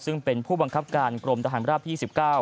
ซึ่งเป็นผู้บังคับการกรมทหารราบที่๑๙